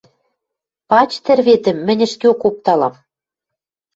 Пач тӹрветӹм, мӹнь ӹшкеок опталам.